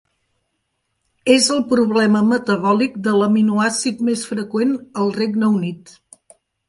És el problema metabòlic de l'aminoàcid més freqüent al Regne Unit.